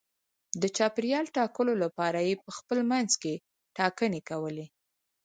د پاچا ټاکلو لپاره یې په خپل منځ کې ټاکنې کولې.